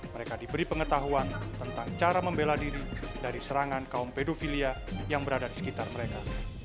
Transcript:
mereka diberi pengetahuan tentang cara membela diri dari serangan kaum pedofilia yang berada di sekitar mereka